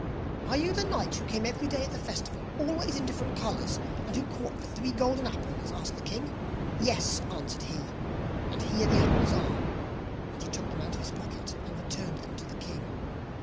'Are you the knight who came every day to the festival, always in different colours, and who caught the three golden apples?' asked the king. 'Yes,' answered he, 'and here the apples are,' and he took them out of his pocket, and returned them to the king.